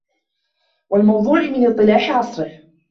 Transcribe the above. وَالْمَوْضُوعِ مِنْ اصْطِلَاحِ عَصْرِهِ